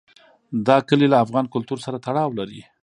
دا کلي له افغان کلتور سره تړاو لري.